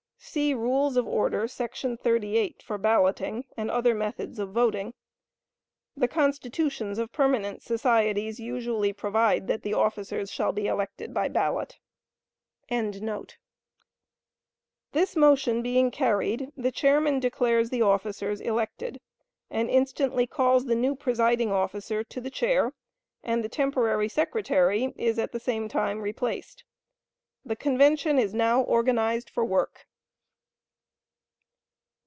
[See Rules of Order, § 38, for balloting, and other methods of voting.] The constitutions of permanent societies usually provide that the officers shall be elected by ballot.] This motion being carried, the chairman declares the officers elected, and instantly calls the new presiding officer to the chair, and the temporary secretary is at the same time replaced. The convention is now organized for work.